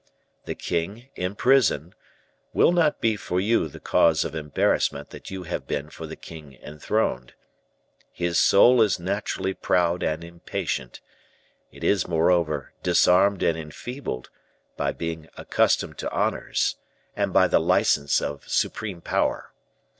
The king, in prison, will not be for you the cause of embarrassment that you have been for the king enthroned. His soul is naturally proud and impatient; it is, moreover, disarmed and enfeebled, by being accustomed to honors, and by the license of supreme power.